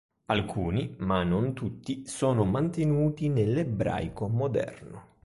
Alcuni, ma non tutti, sono mantenuti nell'ebraico moderno.